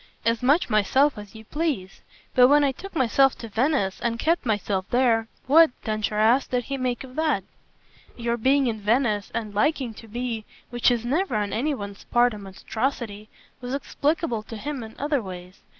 "As much myself as you please. But when I took myself to Venice and kept myself there what," Densher asked, "did he make of that?" "Your being in Venice and liking to be which is never on any one's part a monstrosity was explicable for him in other ways.